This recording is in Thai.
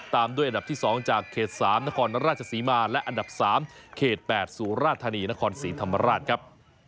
ตามด้วยอันดับที่๒จากเขต๓นครราชศรีมาและอันดับ๓เขต๘สุราธานีนครศรีธรรมราชครับ